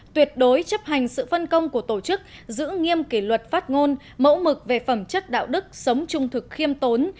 tuyệt đối chấp hành sự phân công của tổ chức giữ nghiêm kỷ luật phát ngôn mẫu mực về phẩm chất đạo đức sống trung thực khiêm tốn